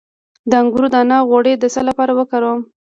د انګور دانه غوړي د څه لپاره وکاروم؟